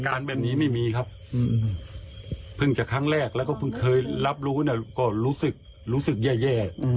การแบบนี้ไม่มีครับเพิ่งจะครั้งแรกแล้วก็เพิ่งเคยรับรู้ก็รู้สึกรู้สึกแย่